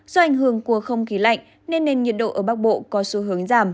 do ảnh hưởng của không khí lạnh nên nền nhiệt độ ở bắc bộ có xu hướng giảm